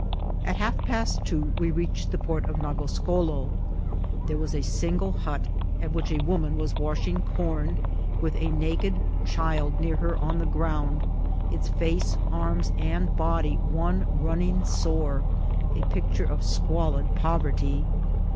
At half past two we reach ed the port of Nagoscolo. There was a single hut, at which a woman was washing corn, with a naked child near her on the ground, its face, arms, and body one running sore, a picture of squalid poverty.